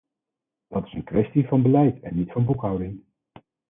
Dat is een kwestie van beleid, en niet van boekhouding.